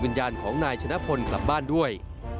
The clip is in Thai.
วิญญาณของนายชนะพลกลับบ้านด้วย